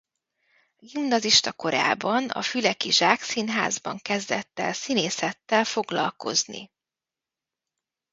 Gimnazista korában a füleki Zsák Színházban kezdett el színészettel foglalkozni.